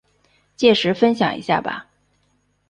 届时分享一下吧